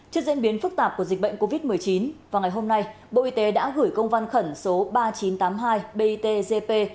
trước diễn biến phức tạp của dịch bệnh covid một mươi chín vào ngày hôm nay bộ y tế đã gửi công văn khẩn số ba nghìn chín trăm tám mươi hai bitgp